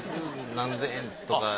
何千円とか。